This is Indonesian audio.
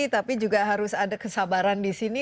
tapi juga harus ada kesabaran di sini